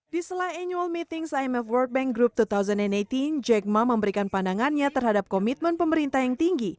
di selai annual meetings imf world bank group dua ribu delapan belas jack ma memberikan pandangannya terhadap komitmen pemerintah yang tinggi